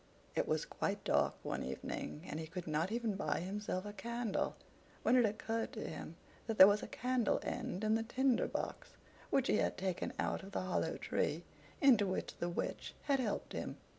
It was quite dark one evening, and he could not even buy himself a candle, when it occurred to him that there was a candle end in the Tinder box which he had taken out of the hollow tree into which the Witch had helped him.